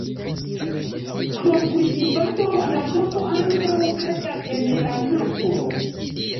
Krom kultivado la groso ankaŭ kreskas en la naturo.